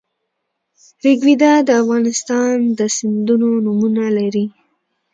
ریګویډا د افغانستان د سیندونو نومونه لري